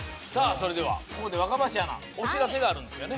それではここで若林アナお知らせがあるんですよね